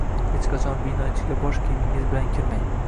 Hech qachon bino ichiga bosh kiyimingiz bilan kirmang.